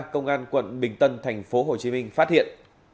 công an quận bình tân tp hcm phát hiện